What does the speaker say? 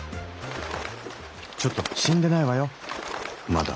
ちょっと死んでないわよまだ。